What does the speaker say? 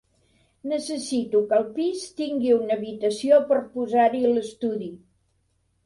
Necessito que el pis tingui una habitació per posar-hi l'estudi.